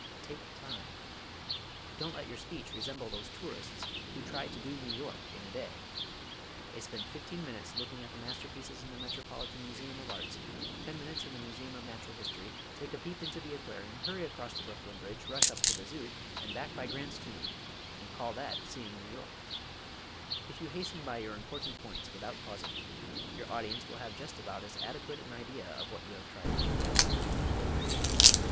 Take time. Don't let your speech resemble those tourists who try "to do" New York in a day. They spend fifteen minutes looking at the masterpieces in the Metropolitan Museum of Arts, ten minutes in the Museum of Natural History, take a peep into the Aquarium, hurry across the Brooklyn Bridge, rush up to the Zoo, and back by Grant's Tomb and call that "Seeing New York." If you hasten by your important points without pausing, your audience will have just about as adequate an idea of what you have tried to convey.